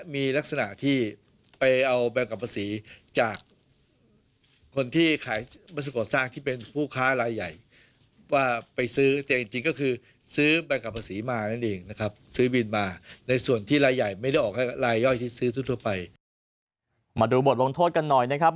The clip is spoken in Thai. มาดูบทลงโทษกันหน่อยนะครับ